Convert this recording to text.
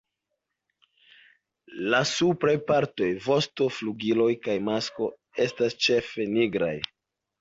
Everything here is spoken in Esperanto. La supraj partoj, vosto, flugiloj kaj masko estas ĉefe nigraj.